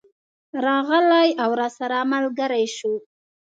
راغلی او راسره ملګری شو.